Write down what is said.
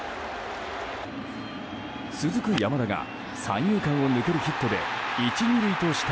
続く山田が三遊間を抜けるヒットで１、２塁とした